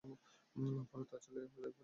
ফলে তার ছেলে হুযাইফা জন্ম গ্রহণ করেন।